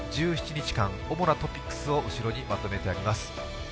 １７日間、主なトピックスを後ろにまとめてあります。